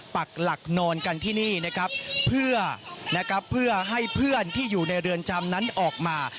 ปักหลักนอนกันที่นี่นะครับเพื่อนะครับเพื่อให้เพื่อนที่อยู่ในเรือนจำนั้นออกมา